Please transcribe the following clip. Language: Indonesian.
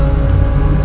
aku akan menang